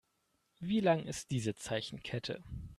Wie lang ist diese Zeichenkette?